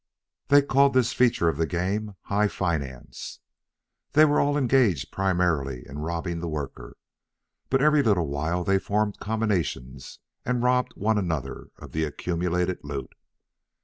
They called this feature of the game HIGH FINANCE. They were all engaged primarily in robbing the worker, but every little while they formed combinations and robbed one another of the accumulated loot.